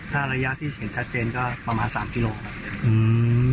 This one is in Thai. ถ้าระยะที่เห็นชัดเจนก็ประมาณสามกิโลครับ